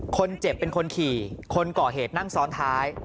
คนเจ็บเป็นคนขี่คนก่อเหตุนั่งซ้อนท้าย